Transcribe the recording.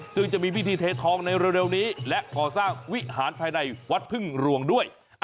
ซึ่งจะมีพิธีเททองในเร็วนี้และก่อสร้างวิหารภายในวัดพึ่งรวงด้วย